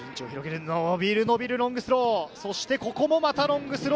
伸びる伸びるロングスロー。